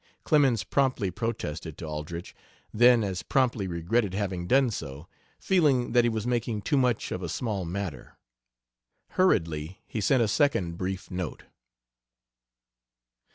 Clemens promptly protested to Aldrich, then as promptly regretted having done so, feeling that he was making too much of a small matter. Hurriedly he sent a second brief note.